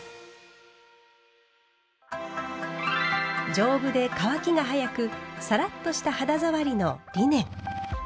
丈夫で乾きが早くサラッとした肌触りのリネン。